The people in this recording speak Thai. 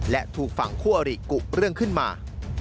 และถูกฝั่งคู่อริกุเรื่องขึ้นมา